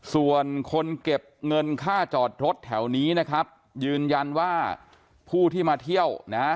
ส่วนคนเก็บเงินค่าจอดรถแถวนี้นะครับยืนยันว่าผู้ที่มาเที่ยวนะฮะ